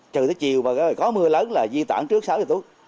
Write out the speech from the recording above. trừ tới chiều mà có mưa lớn là di tản trước sáu giờ tối